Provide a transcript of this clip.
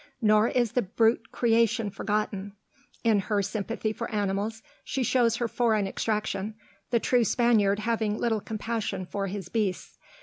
Nor is the brute creation forgotten. In her sympathy for animals she shows her foreign extraction, the true Spaniard having little compassion for his beasts.